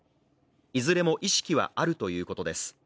いずれも意識はあるということです。